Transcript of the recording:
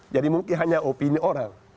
jadi mungkin hanya opini orang